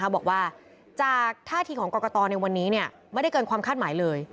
บอกว่าจากท่าทีของกรกตในวันนี้ไม่ได้เกินความคาดหมายเลย